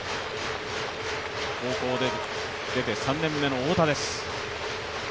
高校を出て３年目の太田です。